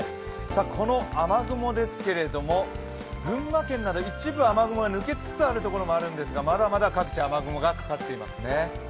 この雨雲ですけれども、群馬県など一部雨雲が抜けつつあるところもありますがまだまだ各地雨雲がかかっていますね。